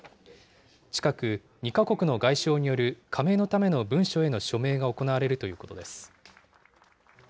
近く、２か国の外相による加盟のための文書への署名が行われるということです。